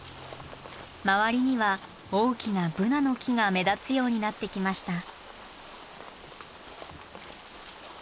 周りには大きなブナの木が目立つようになってきました。